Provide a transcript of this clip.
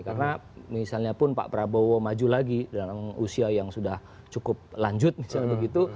karena misalnya pun pak prabowo maju lagi dalam usia yang sudah cukup lanjut